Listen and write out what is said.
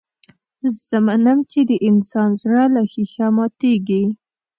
زه منم چې د انسان زړه لکه ښيښه ماتېږي.